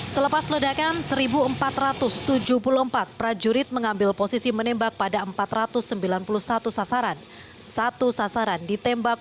selepas ledakan seribu empat ratus tujuh puluh empat prajurit mengambil posisi menembak pada empat ratus sembilan puluh satu sasaran satu sasaran ditembak